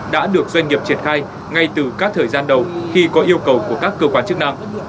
đã được doanh nghiệp triển khai ngay từ các thời gian đầu khi có yêu cầu của các cơ quan chức năng